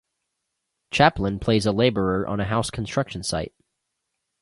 Chaplin plays a laborer on a house construction site.